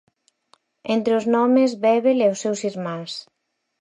Entre os nomes, Bebel e os seus irmáns.